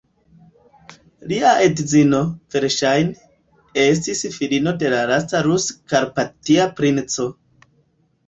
Lia edzino, verŝajne, estis filino de lasta Rus-karpatia princo.